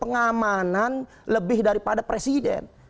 pengamanan lebih daripada presiden